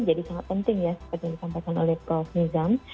jadi sangat penting ya seperti yang disampaikan oleh prof nizam